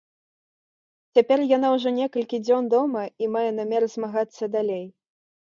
Цяпер яна ўжо некалькі дзён дома і мае намер змагацца далей.